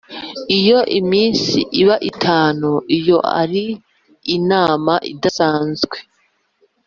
Iyo minsi iba itanu iyo ari inama idasanzwe